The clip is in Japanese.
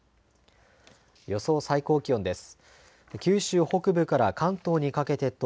予想最高気温です。